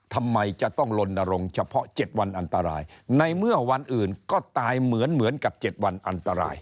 ทำไมจะต้องลนรงค์เฉพาะ๗วันอันตรายในเมื่อวันอื่นก็ตายเหมือนเหมือนกับ๗วันอันตราย